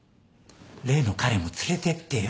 例の彼も連れてってよ。